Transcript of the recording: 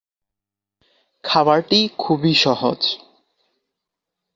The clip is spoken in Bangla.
খাবারটি খুবই সহজ।